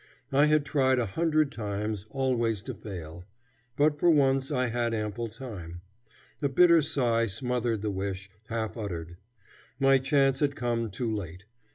I had tried a hundred times, always to fail; but for once I had ample time. A bitter sigh smothered the wish, half uttered. My chance had come too late.